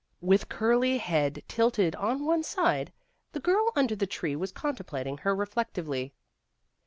With curly head tilted on one side, the girl under the tree was contemplating her reflectively.